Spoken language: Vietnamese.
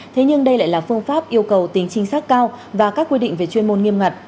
thế nhưng đây lại là phương pháp yêu cầu tính chính xác cao và các quy định về chuyên môn nghiêm ngặt